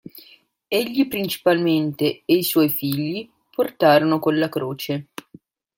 Egli principalmente e i suoi figli portarono con la croce.